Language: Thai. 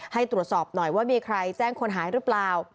ให้ตรวจสอบหน่อยว่ามีใครแจ้งคนหายหรือเปล่า